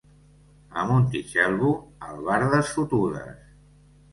A Montitxelvo, albardes fotudes.